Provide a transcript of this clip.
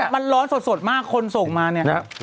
มันร้อนสดมากคนส่งมาเนี่ย